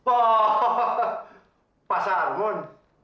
oh pak sarmun